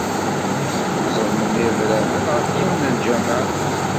Ẓedmen yirebraben ɣef yiwen n lǧameε.